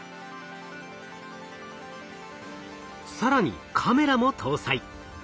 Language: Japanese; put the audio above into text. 更にカメラも搭載。